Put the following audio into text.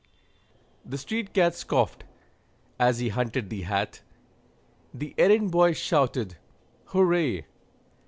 The street cad scoffed as he hunted the hat, The errand boy shouted hooray!